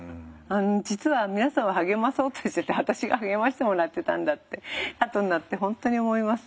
実は皆さんを励まそうとしてて私が励ましてもらってたんだってあとになって本当に思います。